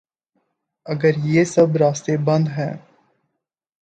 اگریہ سب راستے بند ہیں۔